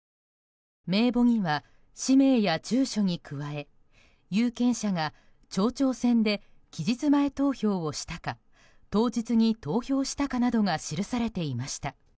名簿には氏名や住所に加え有権者が町長選で期日前投票をしたか当日に投票したかなどが記されていました。